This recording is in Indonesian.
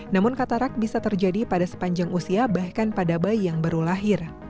namun katarak bisa terjadi pada sepanjang usia bahkan pada bayi yang baru lahir